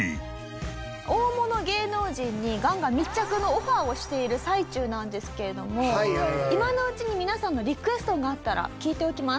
大物芸能人にガンガン密着のオファーをしている最中なんですけれども今のうちに皆さんのリクエストがあったら聞いておきます。